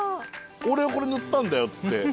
「俺がこれ塗ったんだよ」つって。